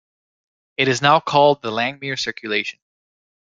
It is now called the Langmuir circulation.